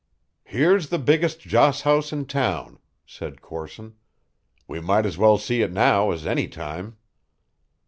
"Here's the biggest joss house in town," said Corson. "We might as well see it now as any time."